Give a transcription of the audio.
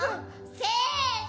せの！